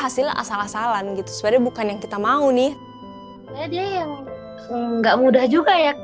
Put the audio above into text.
hasilnya asal asalan gitu sebenarnya bukan yang kita mau nih yang enggak mudah juga ya